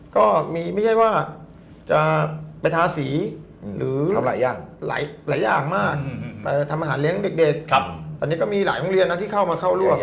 ก็มีไม่ใช่ว่าจะไปทาสีหรือทำหลายอย่างหลายอย่างมากทำอาหารเลี้ยงเด็กตอนนี้ก็มีหลายโรงเรียนนะที่เข้ามาเข้าร่วม